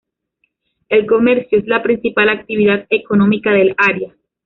El comercio es la principal actividad económica del área.